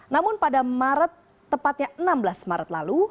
namun pada maret tepatnya enam belas maret lalu